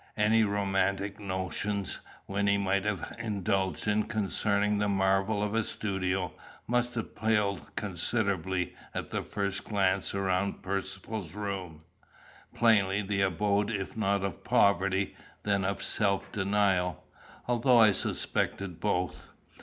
Any romantic notions Wynnie might have indulged concerning the marvels of a studio, must have paled considerably at the first glance around Percivale's room plainly the abode if not of poverty, then of self denial, although I suspected both.